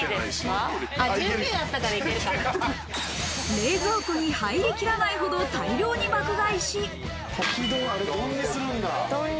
冷蔵庫に入りきらないほど大量に爆買いし。